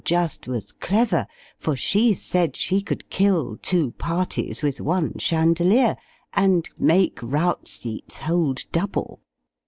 just was clever for she said she could kill two parties with one chandelier, and make rout seats hold double!